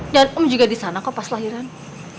dan om juga di sana kok pas lahirannya